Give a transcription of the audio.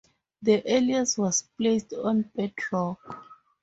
The earliest was placed on bedrock.